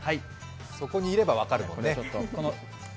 そこにいれば分かるもんね。